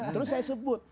terus saya sebut